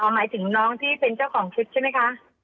หมายถึงน้องที่เป็นเจ้าของคลิปใช่ไหมคะ